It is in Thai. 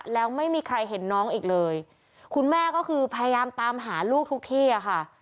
แล้วไม่มีใครเห็นน้องอีกเลยคุณแม่ก็คือพยายามตามหาลูกทุกที่อะค่ะ